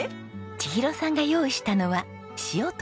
千尋さんが用意したのは塩とレモン。